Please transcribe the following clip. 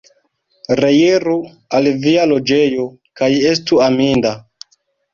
Reiru al via loĝejo, kaj estu aminda!